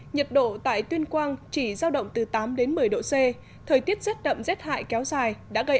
nhiệt độ tại tuyên quang chỉ giao động từ tám đến một mươi độ c thời tiết rét đậm rét hại kéo dài đã gây